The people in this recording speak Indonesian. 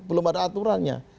belum ada aturannya